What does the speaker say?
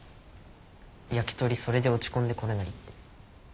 ヤキトリそれで落ち込んで来れないって。